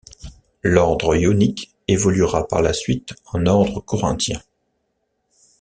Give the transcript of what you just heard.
L'ordre ionique évoluera par la suite en ordre corinthien.